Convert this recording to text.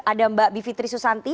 ada mbak bivitri susanti